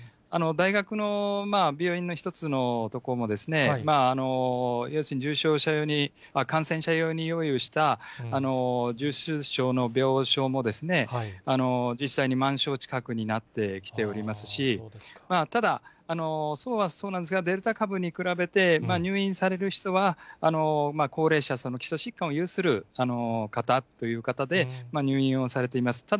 大学の病院の一つの所も、要するに感染者用に用意をした十数床の病床も実際に満床近くになってきておりますし、ただ、そうはそうなんですが、デルタ株に比べて、入院される人は高齢者、基礎疾患を有する方という方で、入院をされています。